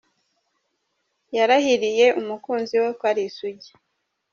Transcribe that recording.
Yarahiriye umukunzi we ko ari isugi.